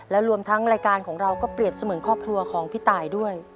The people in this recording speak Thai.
และรวมทั้งรายการของเราก็เปรียบเสมือนครอบครัวของพี่ตายด้วย